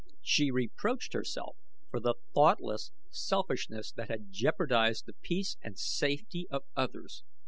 She reproached herself for the thoughtless selfishness that had jeopardized the peace and safety of others.